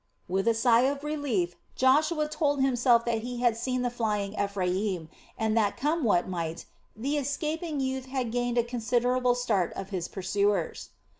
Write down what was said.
With a sigh of relief Joshua told himself that he had seen the flying Ephraim and that, come what might, the escaping youth had gained a considerable start of his pursuers.